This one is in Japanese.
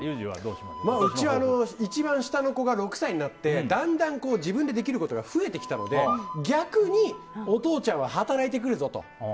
うちは一番下の子が６歳になってだんだん、自分でできることが増えてきたので逆に、お父ちゃんは働いてくるぞと。